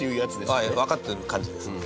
堤：わかってる感じですね。